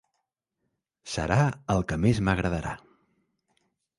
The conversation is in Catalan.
Serà el que més m'agradarà.